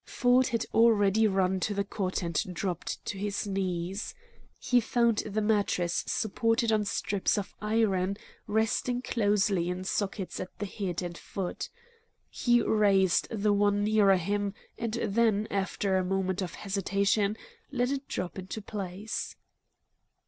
Ford had already run to the cot and dropped to his knees. He found the mattress supported on strips of iron resting loosely in sockets at the head and foot. He raised the one nearer him, and then, after a moment of hesitation, let it drop into place.